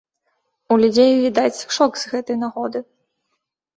У людзей, відаць, шок з гэтай нагоды.